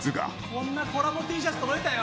こんなコラボＴシャツ届いたよ！